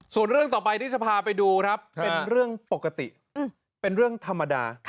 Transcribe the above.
ส่วนเรื่องต่อไปที่จะพาไปดูครับเป็นเรื่องปกติเป็นเรื่องธรรมดา